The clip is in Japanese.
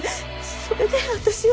それで私は。